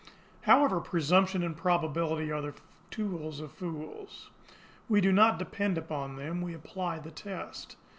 However, presumption and probability are the tools of fools. We do not depend upon them we apply the test.